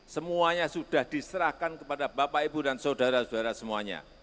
semuanya sudah diserahkan kepada bapak ibu dan saudara saudara semuanya